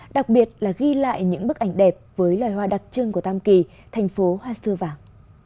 đặc biệt là ghi lại những bức ảnh đẹp với loài hoa đặc trưng của tam kỳ thành phố hoa xưa vàng